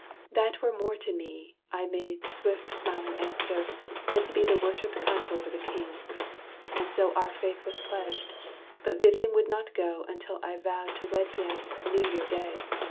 'That were more to me,' I made swift smiling answer, 'than to be The worshiped consort of a king.' And so Our faith was pledged. But Vivian would not go Until I vowed to wed him New Year day.